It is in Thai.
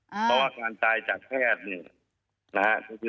เพราะว่าการตายจากแพทย์